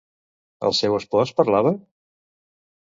El seu espòs parlava?